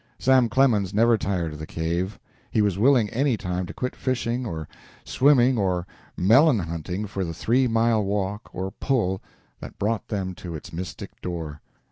Sam Clemens never tired of the cave. He was willing any time to quit fishing or swimming or melon hunting for the three mile walk, or pull, that brought them to its mystic door.